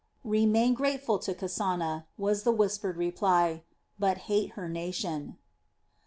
"Remain grateful to Kasana," was the whispered reply, "but hate her nation."